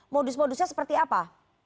modus modusnya seperti apa